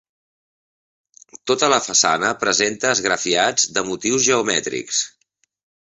Tota la façana presenta esgrafiats de motius geomètrics.